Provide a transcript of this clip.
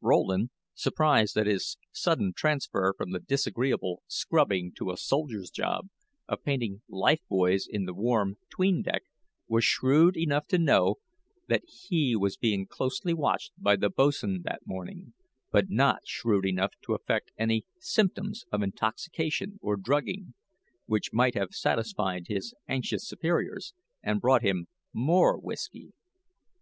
Rowland, surprised at his sudden transfer from the disagreeable scrubbing to a "soldier's job" of painting life buoys in the warm 'tween deck, was shrewd enough to know that he was being closely watched by the boatswain that morning, but not shrewd enough to affect any symptoms of intoxication or drugging, which might have satisfied his anxious superiors and brought him more whisky.